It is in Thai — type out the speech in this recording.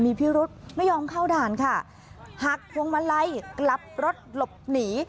มีพิรุธไม่ยอมเข้าด่านค่ะหักพวงมาลัยกลับรถหลบหนี